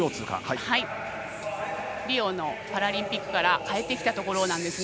リオのパラリンピックから変えてきたところなんですね。